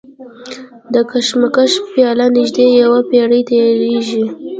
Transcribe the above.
د کشمش پیله نژدې یوه پېړۍ تېرېږي.